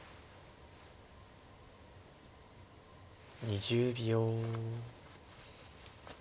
２０秒。